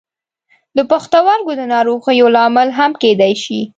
د پښتورګو د ناروغیو لامل هم کیدای شي.